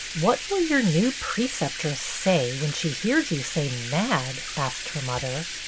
" What will your new preceptress say, when she hears you say ' mad '?" asked her mother.